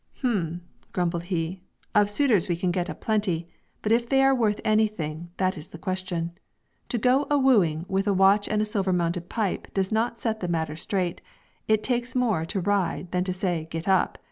"Hm!" grumbled he, "of suitors we can get a plenty; but if they are worth anything, that is the question. To go a wooing with a watch and a silver mounted pipe does not set the matter straight; it takes more to ride than to say 'Get up!'